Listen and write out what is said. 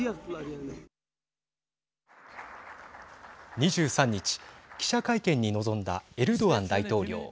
２３日記者会見に臨んだエルドアン大統領。